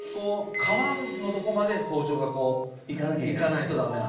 皮のとこまで包丁がいかないとダメなんですね。